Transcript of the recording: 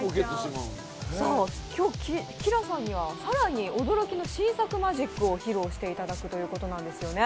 今日ＫｉＬａさんには更に驚きの新作マジックを披露していただくということなんですよね。